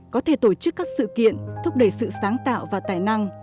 có thể tổ chức các sự kiện thúc đẩy sự sáng tạo và tài năng